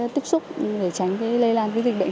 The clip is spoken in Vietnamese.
tiếp xúc để tránh lây lan dịch bệnh